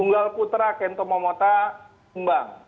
unggal putra kento momota tumbang